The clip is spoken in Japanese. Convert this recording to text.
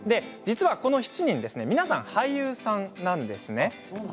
この７人実は皆さん、俳優さんなんです。